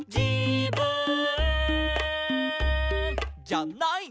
「じゃない」